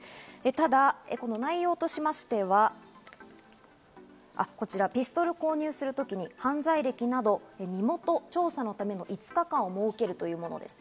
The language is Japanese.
ただ内容としましては、ピストルを購入するときに犯罪歴など身元調査のための５日間を設けるというものです。